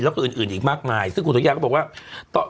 แล้วก็อื่นอีกมากมายซึ่งคุณสัญญาก็บอกว่า